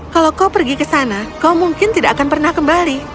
kalau kau pergi ke sana kau mungkin tidak akan pernah kembali